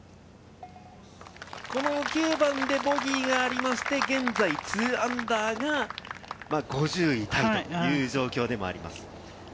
この９番でボギーがありまして、現在−２が５０位タイという状況でもあります。